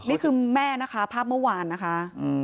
นี่คือแม่นะคะภาพเมื่อวานนะคะ